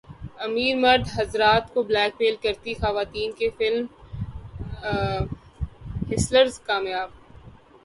امیر مرد حضرات کو بلیک میل کرتی خواتین کی فلم ہسلرز کامیاب